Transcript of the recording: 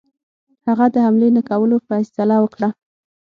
هغه د حملې نه کولو فیصله وکړه.